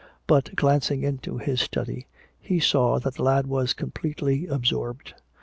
But glancing into his study he saw that the lad was completely absorbed.